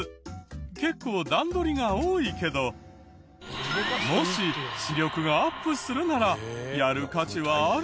結構段取りが多いけどもし視力がアップするならやる価値はあるかも！